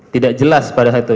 tidak jelas pada saat itu